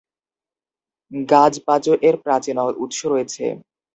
Gazpacho এর প্রাচীন উৎস রয়েছে।